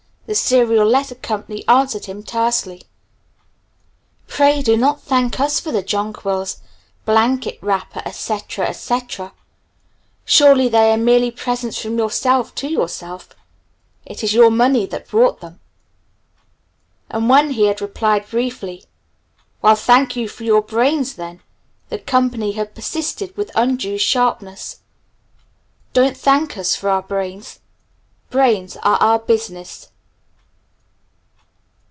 the Serial Letter Co. answered him tersely "Pray do not thank us for the jonquils, blanket wrapper, etc., etc. Surely they are merely presents from yourself to yourself. It is your money that bought them." And when he had replied briefly, "Well, thank you for your brains, then!" the "company" had persisted with undue sharpness, "Don't thank us for our brains. Brains are our business."